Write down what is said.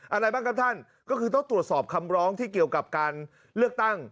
อะไรบ้างครับท่านก็คือต้องตรวจสอบคำร้องที่เกี่ยวกับการเลือกตั้ง